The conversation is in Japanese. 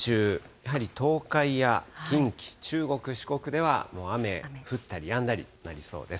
やはり東海や近畿、中国、四国では雨降ったりやんだりとなりそうです。